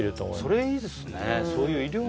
それいいですね